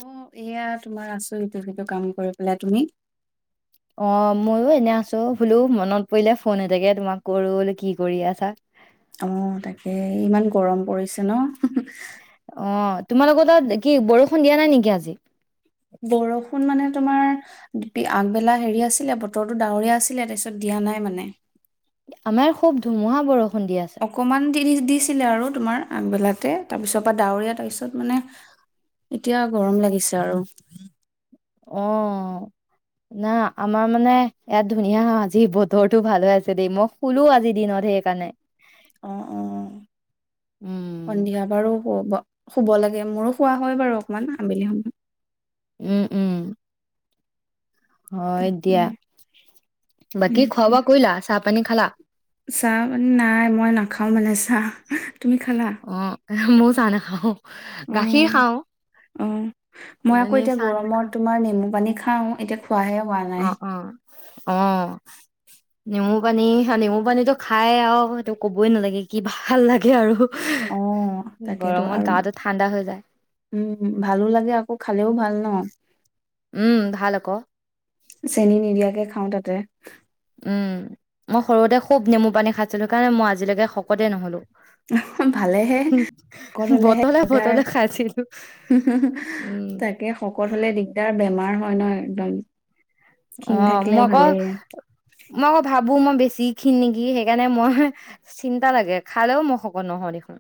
অ' এয়া তোমাৰ আছো ইটো -সিটো কাম কৰি পেলায়। তুমি? অ' মইও এনে আছো বোলো মনত পৰিলে ফোন এটাকে তোমাক কৰো কি কৰি আছা? অ'তাকে। ইমান গৰম পৰিছে ন? অ', তোমাৰ লগত তাত কি বৰষুণ দিয়া নাই নেকি আজি? বৰষুণ মানে তোমাৰ আগবেলা হেৰি আছিলে বতৰটো ডাৱৰীয়া আছিলে তাৰপিছত দিয়া নাই মানে। আমাৰ খুব ধুমুহা বৰস অকমান দিৰি দিছিলে আৰু তোমাৰ আগবেলাতে তাৰপিছৰ পৰা ডাৱৰীয়া তাৰ পিছত মানে এতিয়া গৰম লাগিছে আৰু। অ', না আমাৰ মানে ইয়াত ধুনীয়া আজি বতৰটো ভাল হৈ আছে দেই, মই শুলো আজিৰ দিনত সেইকাৰণে। অ', অ', উম, সন্ধিয়া বাৰু শুব শুব লাগে, মোৰো খোৱা হয় বাৰু অকমান আবেলি সময়। উম, উম। হয় তাকে দিয়া, বাকী খোৱা সেইটোৱে। বোৱা কৰিলা চা পানী খালা? চাহ মান নাই মই না নাখাওঁ মানে চাহ। তুমি খালা? এহ, ময়ো চাহ নাখাওঁ। গাখীৰ উম, খাওঁ উম, মই কিন্তু আকৌ এনেই এতিয়া চাহ গৰমত নাখাওঁ। তোমাৰ নেমু পানী খাওঁ এতিয়া খোৱাহে হোৱা নাই অ', অ', অ'। নেমু পানী, নেমু পানীটো খাই আৰু সেটো ক'বই নালাগে কি ভাল লাগে আৰু। অ', তাকেইটো গৰমত আৰু গাটো ঠাণ্ডা হৈ যায় উম, ভালো লাগে আকৌ খালেও ভাল। অ'। উম, ভাল আক'। চেনি নিদিয়াকে খাওঁ তাতে। উম, মই সৰুতে খুব নেমু পানী খাইছিলো সেইকাৰণে মই আজিলৈকে শকতেই নহ'লো। ভালেহে শকত হ'লেহে বটলে বটলে দিগদাৰ, খাইছিলো উম তাকে শকত হ'লে দিগদাৰ বেমাৰ হ অ'ন' একদম। ক্ষীণ অ', থাকিলে মই আকৌ, ভালেই মই আকৌ ভাবো মই বেছি ক্ষীণ নেকি সেইকাৰণে মই চিন্তা লাগে খালেও মই শকত নহওঁ দেখোন।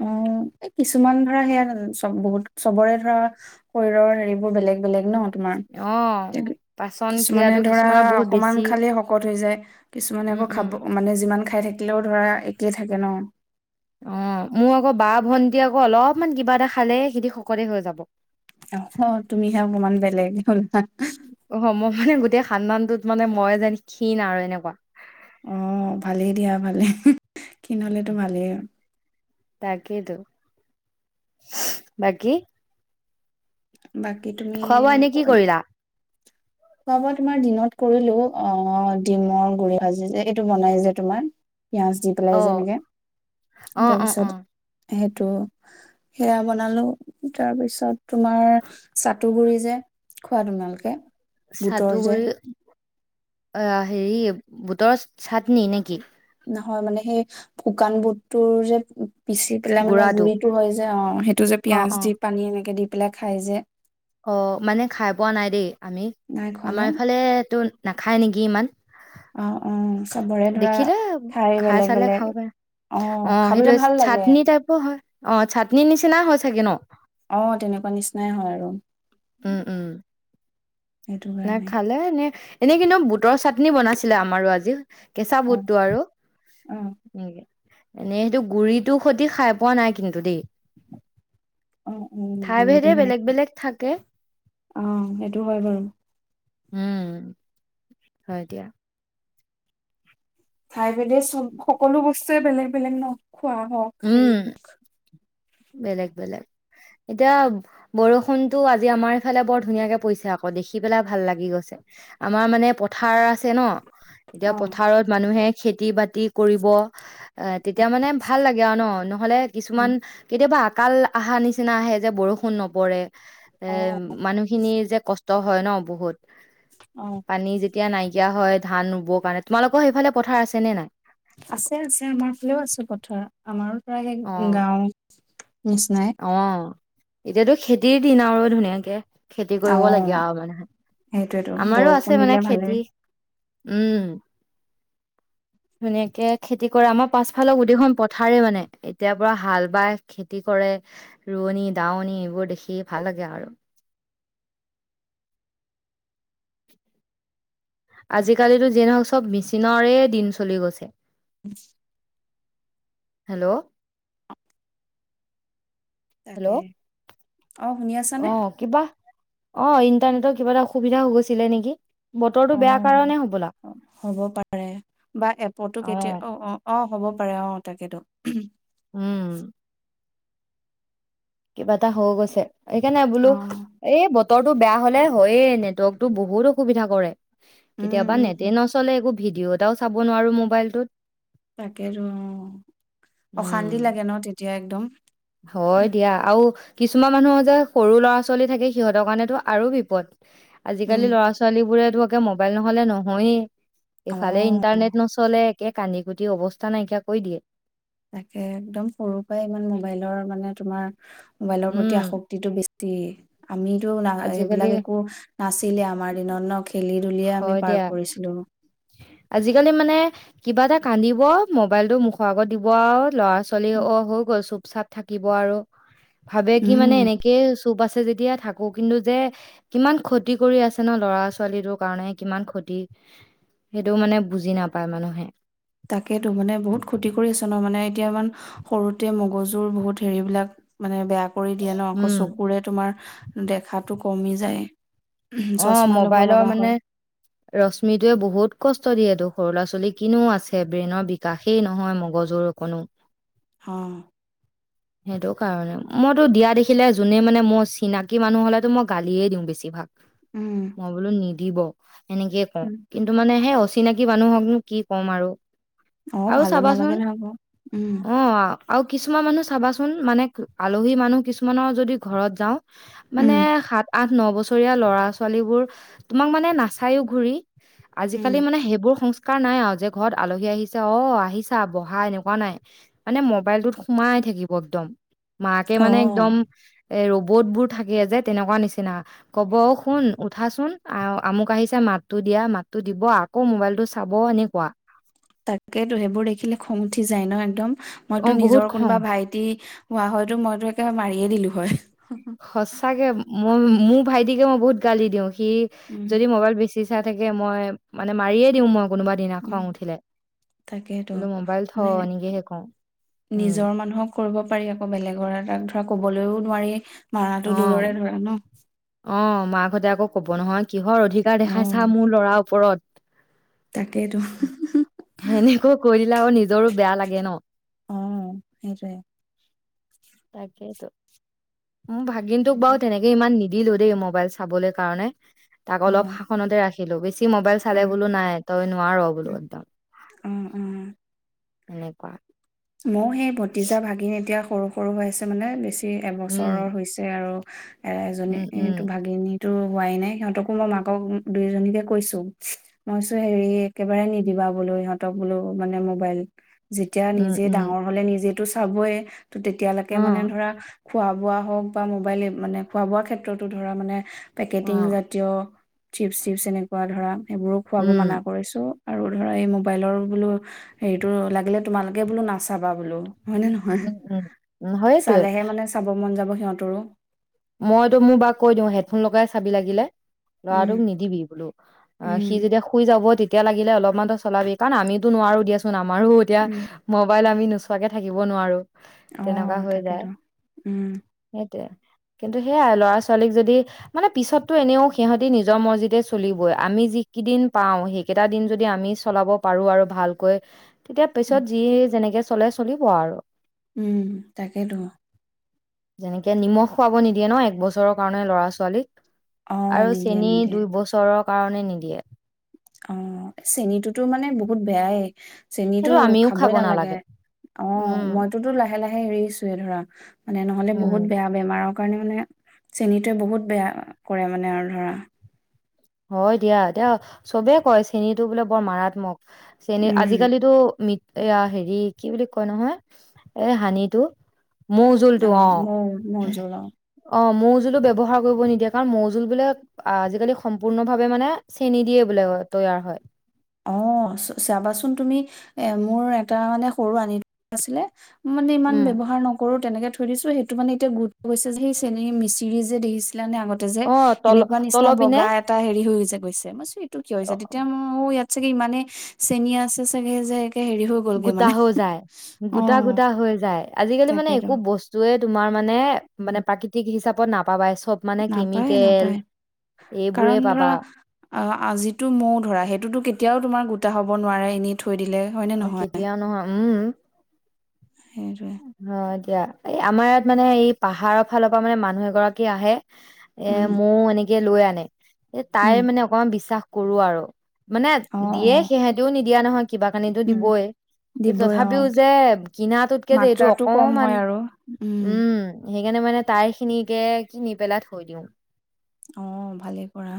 অ', এই কিছুমান ধৰা সেয়া চব, বহুত চবৰে ধৰা শৰীৰৰ হেৰিবোৰ বেলেগ বেলেগ ন'। তোমাৰ অ পাচন কিছুমানে ক্ৰিয়াটো ধৰা কিছুমানৰ বহুত বেছি অকমান খালে শকত হৈ যায় কিছুমানে উম আকৌ উম খাব মানে যিমান খাই থাকে থিলও ধৰা একেই থাকে ন অ মোৰ আকৌ বা ভন্টি আকৌ অলপমান কিবা এটা খালে সেইি সকলোৱে হৈ যাব আহ তুমিহে অকমান বেলেগ হলা অ' মই মানে গোটেই খানদানটোত মানে মই জানি ক্ষীণ আৰু এনেকুৱা অ ভালেই দিয়া ভালে কিিন'লে তোমালেই তাকেইটো বাকী বাকী তুমি খোৱা বোৱা এনে কি কৰিলা? খোৱা বোৱা তোমাৰ দিনত কৰিলো অ ডিমৰ গুৰিি ভাজি যে এইটো বনাই যে তোমাৰ পিঁয়াজ দি পেলাই অ' যেনেকে অ' অ' অ' তাৰপিছত সেইটো সেয়া বনালো তাৰপিছত তোমাৰ চাটু গুৰি যে খাৰঙালকে চাতুগুৰি অ হেৰি বোটৰৰ চাটনি নেকি নহয় মানে সেই শুকান বুটটোৰ যে পিচি পেলাই মানে গুড়াটো গুৰিতটো হয় যে অ সেইটো যে অ' পিয়াজ অ' দি পানী এনেকে দি এই পেলাই খাই যে অ মানে খাই পোৱা নাই দেই আমি নাই খোৱা ন আমাৰ এইফালে তটো নাখায় নেকি ইমান অ অ চবৰে ধৰা দেখিলে ঠাই খাই বেলেগ চালে বেলেগ খাব পাৰে অ খাবলে সেইটো ভাল লাগে চাটনি টাইপৰ হয় অ চাটন নিচিনা হয় চাগে ন আহ তেনেকুৱা নিচিনাই হয় আৰু সেইটো নে কাৰণে খালে নে এনে কিন্তু বুটৰ চ পাটননি বনাইছিলে আমাৰো আজি কেঁচা অ বুটটো অ আৰুকে এনেই সেইটো গুৰিটোো সতি খাই পোৱা নাই কিন্তু দেই অ অ ঠাই ঘূৰি ভেদে দিনি বেলেগ বেলেগ থাকে আহ সেইটো হয় বাৰু উম হয় দিয়া খাই পেলাই চ সকলো বস্তুৱয়ে বেলেগ বেলেগ ন খোৱা হক হেৰি উম বেলেগ বেলেগ এতিয়া বৰষুণতটো আজি আমাৰ ইফালে বৰ ধুনীয়াকে পৰিছে আকৌ দেখি পেলাই ভাল লাগি গৈছে আমাৰ মানে পথাৰ আছে ন এতিয়া অ পথাৰত মানুহে খেতি বাতি কৰিব অ তেতিয়া মানে ভাল ভাল লাগে আৰু ন নহ'লে কিছুমান উম কেতিয়াবা কাল অহা নিচিনা আহে যে বৰষুণ নপৰে এ অ মানুহখিনি যে কষ্ট ত হয় ন বহুত অ পানী যেতিয়া এতিয়া নাইকিয়া হয় ধান ৰুবৰ কাৰণে তোমালোকৰ সেইফালে পথাৰ আছে নে নাই আছে আছে আমাৰ প্ৰাকে অ গাও অ এতিয়াতো খেতিৰ দিন আৰু ধুনীয়াকে খেতি অ কৰিব লাগে আৰু মানেহে সেইটোয়েতো আমাৰো বৰষুণ আছে দিলে মানে ভালে খেতি উম ধুনীয়াকে খেতি কৰে আমাৰ পাছফালক গোদেইখন পথাৰে মানে এতিয়াৰ পৰা হাল বাই খেতি কৰে ৰোৱনী দাৱনী এইবোৰ দেখি ভাল লাগে আৰু আজিকালিিতো যি নহওক চব মেচিনৰৰে দিন চলি গৈছে বচ হেল্ল' তাকে হেল্ল' অ শুনি অ আছানে কিবা অ ইণ্টাৰনেটৰ কিবা এটা অসুবিধা হৈ গৈছিলে নেকি বতৰটো অ বেয়া কাৰণে হ'বলা হ'ব পাৰে বা এপতো কেতিয়া অ অ অ হ'ব পাৰে অ তাকেইেতো উম কিবা এটা হৈ গৈছে সেইকাৰণে অ বোলো এই ব নেটটো বেয়া হ'লে হয়ে নেটৱৰ্কতটো বহুত অসুবিধা কৰে উম কেতিয়াবা উম নেটেই নচলে একো ভিডিঅ' এটাও চাব নোৱাৰো মোবাইলটোত তাকেইেতো অ অশান্তি উম, লাগে ন তেতিয়া একদম হয় দিয়া আৰু কিছুমান মানুহৰ যে সৰু ল'ৰা ছোৱালী থাকে সিহঁতৰ কাৰণেতো আৰু বিপদ উম আজিকালি ল'ৰা ছোৱালী বোৰে এইটোকে মোবাইল নহ'লে নহয়েই। অ এইফালে ইণ্টাৰনেট নচলে কে কান্দি কুটি অৱস্থা নাইকিয়া কৰি দিয়ে। তাকে একদম সৰুৰ পৰাই ইমান মোবাইলৰ মানে তোমাৰ মোবাইলৰ উম, প্ৰতি আসক্তিটো বেছ তি আমিটো না আজিকালি সেইবিলাক একো নাছিলে আমাৰ দিনত ন' খেলি ধূলিয়ে আমি হয় পাৰ দিয়া কৰিছিলো। আজিকালি মানে কিবা এটা কান্দিব, মবাইলতটো মুখৰ আগত দিব আৰু। ল'ৰা-ছোৱালী অ' হৈ গৈছোঁ চাপ থাকিব আৰু। ভাবে কি মানে উম এনেকেই চ টোপ আছে যেতিয়া থাকক। কিন্তু যে কিমান ক্ষতি কৰি আছে ন, ল'ৰা-ছোৱালীটোৰ কাৰণে, কিমান ক্ষতি। সেইটো মানে বুজি নাপায় মানুহে। তাকেতো, মানে বহুত ক্ষতি কৰি আছে ন! মানে এতিয়া ইমান সৰুতে মগজুৰ বহুত হেৰিবলাক, মানে বেয়া কৰি দিয়ে ন! আকৌ উম চকুৰে তোমাৰ দেখাত টো কমি যায়। অ' চশমা লব মোবাইলৰ লগা মানে হয় ৰশ্মিটোৱে বহুত কষ্ট দিয়েটো। সৰু ল'ৰা-ছোৱালীৰ কিনো আছে! ব্ৰেইনৰ বিকাশেই নহয় মগজুৰ অকনো। হ। সেইটো কাৰণে। মইতো দিয়া দেখিলে জোনে মানে, মোৰ চিনাকি মানুহ হ'লেতো মই গালিয়ে দিওঁ বেছি ভাগ। উম মই বোলো নি দিব। সেনেকয়ে কওঁ। উম কিন্তু মানে সেই অচ চিনাকি মানুহকনো কি ক'ম আৰু। অ', আৰু ভালো চাবাচোন নালাগে নহয় আকৌ! উম। অ আৰু কিছুমান মানুহ চাবাচোন, মানে ক, আলহী মানুহ কিছুমানৰ যদি ঘৰত যাওঁ মানে উম সাত, আঠ। ন বছ বচৰীয়া ল'ৰা-ছোৱালীবোৰ। তোমাক মানে নাচায়ো ঘূৰি। উম আজিকালি মানে সেইবোৰ সংস্ক কাম নাই আৰু যে, ঘৰত আলহী আহিছে, অ' আহিছা! বহা, এনেকুৱা নাই। মানে মোবাইলটোত সোমাই থাকিব একদম। মাকে অ মানে একদম এ ৰবট বোৰ থাকে যে, তেনেকুৱা নিচিনা। ক'ব, অ', শুন উঠাচোন! আ-আমুক আহিছে মাতটো দিয়া! মাতটো দিব আকৌ মোবাইলটো চাব, এনেকুৱা। তাকেতো, সেইবোৰ দেখিলে খং উঠি যায় ন, একদম। অ মইতো বহুত নিজৰ খং কোনোবা ভাইটি হোৱা হয়তো মইতো একে মাৰি এে দিলো হয়। সচাকে মই মোৰ ভাইটিকে মই বহুত গালি দিওঁ কি উম যদি মোবাইল বেছি চাই থাকে, মই মানে মাৰিয়ে দিওঁ, মই কোনোবা দিনা খং উম, উঠিলে তাকেইেতো বোলো মোবাইল থ মানে, এনেকেহে কওঁ উম নিজৰ মানুহক কৰিব পাৰি, আকৌ বেলেগৰ এটাক ধৰক কবলৈও নোৱাৰি মৰাাটো দূৰৰে ধৰা, ন অঁ মাকাহঁতে আকৌ কব নহয় কিহৰ অধিকাৰ দেখাইছা অ', মোৰ ল'ৰা ওপৰত। তাকেইতো এনেকৈ কৰি নিজৰো বেয়া লাগে, ন অঁ সেইট। তাকেইতো। মো ভাগিনটোক বাৰু তেনেকে ইমান নিদ দিলো দেই মোবাইল চাবলৈ কাৰণে তাক অ অলপ শাসনতে ৰাখি খেল বে মোবাইল অ চালে বোলো নাই, তই নোৱাৰ উ বোলো একদম। অ অ এনেকুৱা। মই সেই ভতিজা ভাগিন এতিয়া সৰু সৰু হৈাইছে, মানে বেছি অ' এবছৰৰ উম হৈছে আৰু এ' উম উম এজনীটো ভাগি নি তো হোৱাই নাই, সিহঁতকো মই মাকক দুইোজনীকে কৈছো, মইছো হেৰি, একেবাৰে নিদিবা বোলো সিহঁতক বোলো, মানে মোবাইল যেতিয়া উম নিজে উম ডাঙৰ হলে নিজে টো চাবই তো তেতিয়ালৈকে অ মানে ধৰা খোৱা বোৱা হওঁক বা মোবাইলে মানে খোৱা বোৱা ক্ষেত্ৰতো ধৰা, মানে অ', পেকেটিং জাতীয় চিপছ চিপছ এনেকুৱা ধৰা সেইবোৰো খোৱাব মানা উম, কৰিছো আৰু ধৰা এই মোবাইলৰ বোলো হেৰিতো লাগিলে তোমালোক। গে বোলো নাচাবা বোলো। হয়নে নহয় উম, উম, উম, সেইটোৱে চালেহে মানে চাব মন যাব। সিহঁতৰো মইতো মোৰ বাৰ কৈ দিওঁ হেডফোন লগাই চাবি লাগিলে। উম ল'ৰাটোক নিদিবি বোলো অ উম সি যেতিয়া শুই যাব তেতিয়া। এতিয়া লাগিল অলপমানো চলাবি কাৰণ আমিতো নোৱাৰো দিয়াচোন আম। আমাৰো এতিয়া উম মোবাইল আমি। নোচোৱাকে থাকিব নোৱাৰো। অ তেনেকুৱা হৈ যায় তাকেতো উম সেইটোয়ে। কিন্তু সেইয়াই ল'ৰা ছোৱালীক যদি মানে পিছতো এনেও সিহঁতি নিজৰ মছজিতে চলিবই আমি যিকেইদিন পাওঁ সেইকেইটা দিন যদি আমি চলাব পাৰো আৰু ভালকৈ। তেতিয়া উম পিছত যি যেনেকে। চলে চলিব আৰু। উম ', তাকেইতো যেনেকে নিমখ। খুৱাব নিদিয়ে ন এক বছৰৰ কাৰণে ল'ৰা ছোৱালীক। অ', আৰু নিদিয়ে চেনী নিদিয়ে। দুইবছৰৰ। কাৰণে নিদিয়ে। অহ, চেনীটোতো মানে বহুত বেয়াই। চেনী সেইটো আমিও খাবই খাব নালাগে অহ উম ', মইতোতো লাহে লাহে এৰিছোয়ে ধৰা মানে নহলে বহুত উম বেয়া বেমাৰক। কাৰণে মানে চেনীটোৱে বহুত বেয়া কৰে মানে আৰু ধৰা। হয় দিয়া দিয়া চবে কয় চেনীটো বোলে বৰ মাৰাত্মক। চনে উম, আজিকালিতো ম এয়া হেৰি কি বুলি কয় নহয় এ হানিটো। মৌ জোলটো অ', অহ মৌ মৌজোল অ'। - অহ মৌ জোলো ব্যৱহাৰ কৰিব নিদিয়ে কাৰণ মৌ জোল বোক আজিকালি। সম্পূৰ্ণভাৱে মানে চেনি দিয়ে বোলে তৈয়াৰ হয়। অহ 'চাবাচোন তুমি এ মোৰ এটা মানে সৰু আনি আছিলে। মানে ইমান উম ব্যৱহাৰ নকৰো তেনেকে থৈ দিছো সেইটো মানে এতিয়া গুৰুত গৈ যে সেই চেনী মিচিৰি যে দে দিছে ছিলানে আগতে যে অ তল সেনেকুৱা নিচিনা তলৰ পিনে বগা এটা হেৰি হৈ যায়। গৈছে মইছ টো কি হৈছে তেতিয়া মোৰ ইয়াত। চাগে ইমানে চেণী আছে চাগে যে। হেৰি হৈ গ'লগে গোটা মানে হৈ যায় গোটা - অ', গোটা হৈ যায় আজিকালি মানে তাকেতো একো বস্তুৱয়ে। তোমাৰ মানে, উম, মানে প্ৰাকৃতিক হিচাপ ব নাপাবাই চ নাপায়, নাপায়। এইবোৰে কাৰণ ধৰা পাবা আ-আজিটো মোৰ ধৰা, সেইটোতো কেতিয়াও তোমাৰ গোটা হ'ব নোৱাৰে এনে থৈ দিলে হয়নে, অ, নহয়? কেতিয়াও উম। সেইটোৱেই হয় এতিয়া এই আমাৰ ইয়াত মানে এই পাহাৰৰ ফালৰ পৰা মানে মানুহ এগৰাকী আহে। এ উম, মোৰ মনে লৈ আনে এ তাইৰ উম, মানে অকমান বিশ্বাস কৰো আৰু মানে অ', দিয়ে অ'। সিহেঁতিও নিদিয়া নহয় কিবা কানো উম, দিবই কিন্তু তথাপিও যে কিনাটোত মাত্ৰাাতটো কম হয় আৰু উম। সেইকাৰণে মানে তাই খিনিকে কিনি পেলাই থৈ দিওঁ। আহ ভালে কৰা।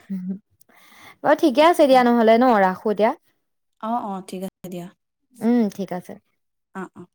[unintelligible] অ' ঠিকে আছে তাকে দিয়া নহ'লে ন ৰাখ সদিয়া অ' অ' ঠিক আছে দিয়া। উম ঠিক আছে। অ' অ'।